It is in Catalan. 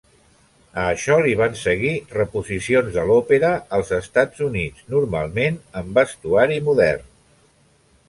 A això li van seguir reposicions de l'òpera als Estats Units, normalment en vestuari modern.